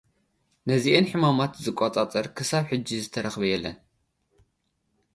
ነዚአን ሕማማት ዝቖጻጸር ክሳብ ሕጂ ዝተረኸበ የለን።